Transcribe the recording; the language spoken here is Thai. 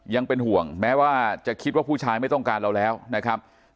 ยังเป็นห่วงแม้ว่าจะคิดว่าผู้ชายไม่ต้องการเราแล้วนะครับ